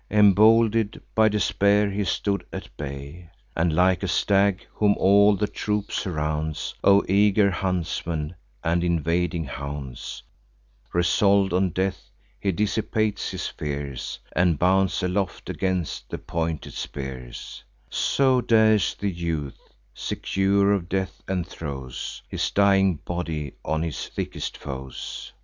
Embolden'd by despair, he stood at bay; And, like a stag, whom all the troop surrounds Of eager huntsmen and invading hounds Resolv'd on death, he dissipates his fears, And bounds aloft against the pointed spears: So dares the youth, secure of death; and throws His dying body on his thickest foes.